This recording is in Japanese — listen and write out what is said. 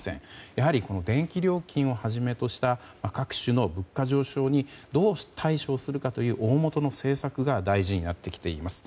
やはり電気料金をはじめとした各種の物価上昇にどう対処するかというおおもとの政策が大事になってきています。